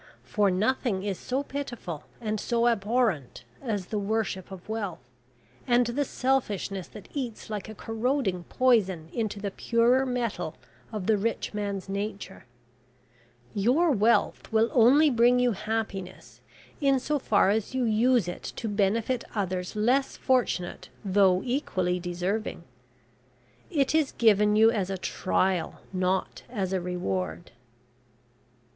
For nothing is so pitiful and so abhorrent, as the worship of wealth, and the selfishness that eats like a corroding poison into the purer metal of the rich man's nature. Your wealth will only bring you happiness in so far as you use it to benefit others less fortunate though equally deserving. It is given you as a trial, not as a reward.'